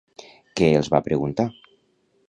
Què els va preguntar?